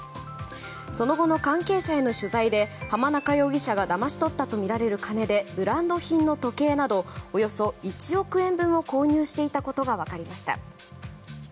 その後の関係者への取材で濱中容疑者がだましとったとみられる金でブランド品の時計などおよそ１億円分を購入していたことが分かりました。